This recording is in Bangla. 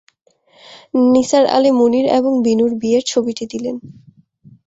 নিসার আলি মুনির এবং বিনুর বিয়ের ছবিটি দিলেন।